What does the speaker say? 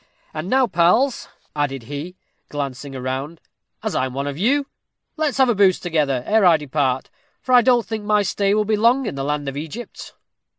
And now, pals," added he, glancing round, "as I am one of you, let's have a booze together ere I depart, for I don't think my stay will be long in the land of Egypt."